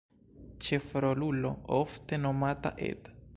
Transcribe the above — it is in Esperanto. Ĉefrolulo, ofte nomata "Ed".